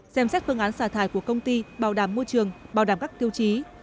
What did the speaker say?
xem xét phương án xả thải của công ty bảo đảm môi trường bảo đảm các tiêu chí